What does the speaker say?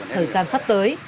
thời gian sắp tới